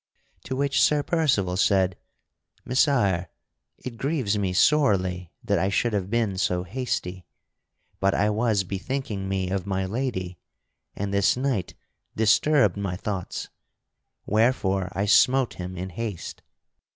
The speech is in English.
[Sidenote: Sir Gawaine chides Sir Percival] To which Sir Percival said: "Messire, it grieves me sorely that I should have been so hasty, but I was bethinking me of my lady, and this knight disturbed my thoughts; wherefore I smote him in haste."